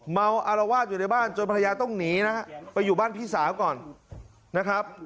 อารวาสอยู่ในบ้านจนภรรยาต้องหนีนะฮะไปอยู่บ้านพี่สาวก่อนนะครับ